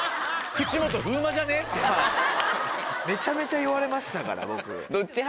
めちゃめちゃ言われましたから僕。